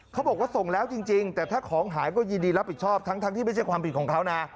เขาบอกว่าส่งแล้วจริงแต่ถ้าของหายก็ยินดีรับผิดชอบทั้งที่ไม่ใช่ความผิดของเขานะ